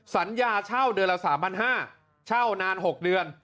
สัญญาเช่าเดือนละ๓๕๐๐เช่านาน๖เดือน